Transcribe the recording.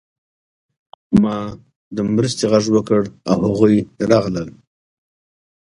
ما د مرستې غږ وکړ او هغوی راغلل